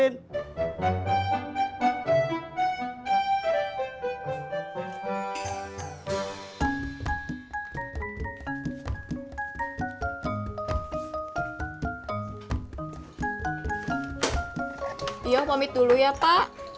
yuk pamit dulu ya pak